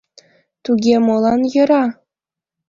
Туге молан йӧра?